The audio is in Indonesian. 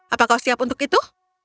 apa kau siap untuk itu